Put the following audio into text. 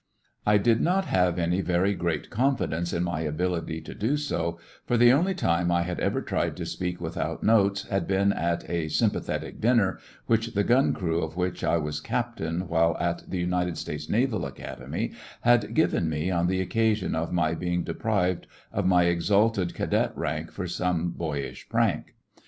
I did not have any very great confidence in my ability to do so, for the only time I had ever tried to speak without notes had been at a "sympathetic dinner" which the gun crew of which I was captain while at the United States iN'aval Academy had given me on the occasion of my being deprived of my exalted cadet rank for some boyish prank.